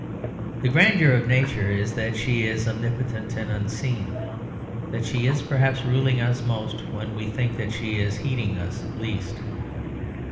The grandeur of nature is that she is omnipotent and unseen, that she is perhaps ruling us most when we think that she is heeding us least.